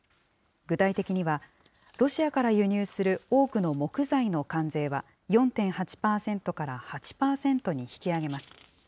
具体的には、ロシアから輸入する多くの木材の関税は４．８％から８％に引き上げます。